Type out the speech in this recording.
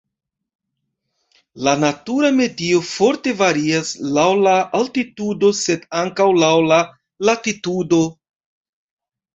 La natura medio forte varias laŭ la altitudo sed ankaŭ laŭ la latitudo.